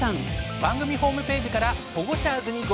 番組ホームページからホゴシャーズにご応募下さい！